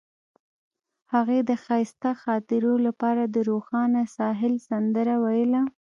هغې د ښایسته خاطرو لپاره د روښانه ساحل سندره ویله.